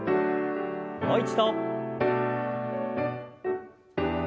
もう一度。